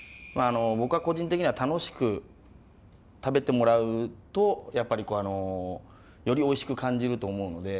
僕は個人的には楽しく食べてもらうとやっぱりあのよりおいしく感じると思うので。